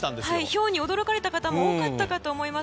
ひょうに驚かれた方も多かったと思います。